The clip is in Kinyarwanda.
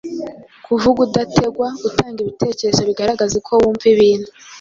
kuvuga udategwa, utanga ibitekerezo bigaragaza uko wumva ibintu